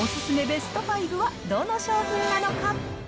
ベスト５はどの商品なのか。